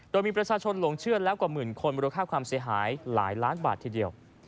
โดยมีประชาชนหลงเชื่อแล้วกว่าหมื่นคนมูลค่าความเสียหายหลายล้านบาททีเดียว